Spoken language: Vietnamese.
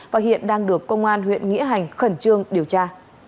và hiện đang được công an huyện nghĩa hành khẩn trương điều tra